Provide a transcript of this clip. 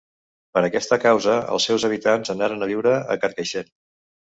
Per aquesta causa els seus habitants anaren a viure a Carcaixent.